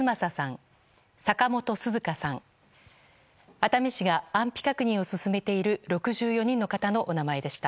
熱海市が安否確認を進めている６４人の方のお名前でした。